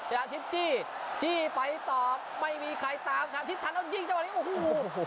ยาทิพย์จี้จี้ไปต่อไม่มีใครตามทันทิศทันแล้วยิงจังหวะนี้โอ้โห